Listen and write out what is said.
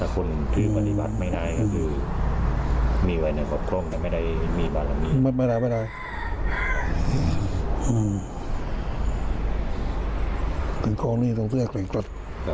คือของนี่ต้องเรียกเหลืออีกก่อน